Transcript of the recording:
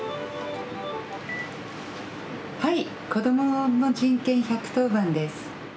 はいこどもの人権１１０番です。